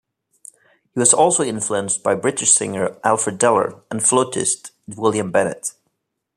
He was also influenced by British singer Alfred Deller and flautist William Bennett.